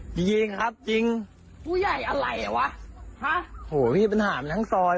จริงจริงครับจริงผู้ใหญ่อะไรอ่ะวะฮะโหพี่ปัญหามันทั้งซอย